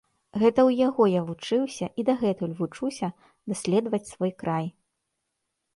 Гэта ў яго я вучыўся і дагэтуль вучуся даследаваць свой край.